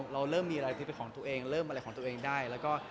เราเริ่มมีอะไรที่เป็นของตัวเองเริ่มอะไรของตัวเองได้แล้วก็